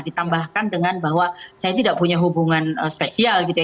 ditambahkan dengan bahwa saya tidak punya hubungan spesial gitu ya